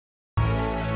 oh no nya bergerak morgen